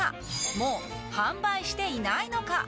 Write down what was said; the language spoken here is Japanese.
もう販売していないのか？